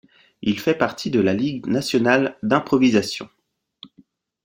Il fait partie de la Ligue nationale d'improvisation.